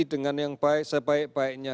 dengan yang sebaik baiknya